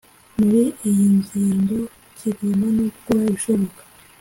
muri iyi ngingo Kigomba no gukora ibishoboka